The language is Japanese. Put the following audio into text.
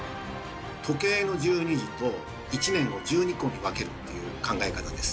時計の１２時と１年を１２個に分けるという考え方です。